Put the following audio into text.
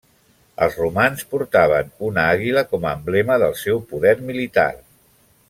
Els romans portaven una àguila com a emblema del seu poder militar.